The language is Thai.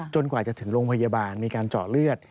กว่าจะถึงโรงพยาบาลมีการเจาะเลือด